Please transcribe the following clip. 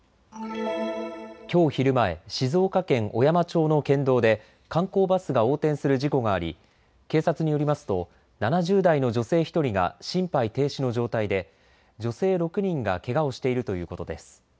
きょう昼前、静岡県小山町の県道で観光バスが横転する事故があり警察によりますと７０代の女性１人が心肺停止の状態で女性６人がけがをしているということです。